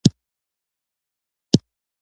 دلته څه کوې؟